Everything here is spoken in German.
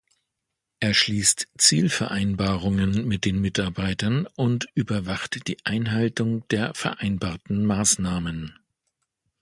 Er schließt Zielvereinbarungen mit den Mitarbeitern und überwacht die Einhaltung der vereinbarten Maßnahmen.